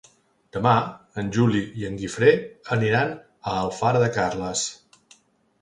Demà en Juli i en Guifré aniran a Alfara de Carles.